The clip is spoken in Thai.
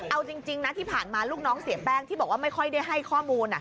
เอาจริงนะที่ผ่านมาลูกน้องเสียแป้งที่บอกว่าไม่ค่อยได้ให้ข้อมูล